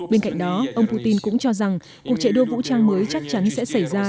bên cạnh đó ông putin cũng cho rằng cuộc chạy đua vũ trang mới chắc chắn sẽ xảy ra